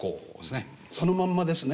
そのまんまですね。